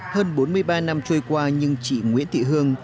hơn bốn mươi ba năm trôi qua nhưng chị nguyễn thị hương